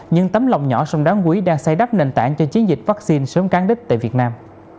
nhưng tấm lòng nhỏ xong đáng quý đang xây đắp nền tảng cho chiến dịch vaccine sớm can đích tại việt nam